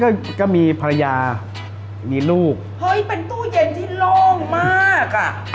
ก็ก็มีภรรยามีลูกเฮ้ยเป็นตู้เย็นที่โล่งมากอ่ะ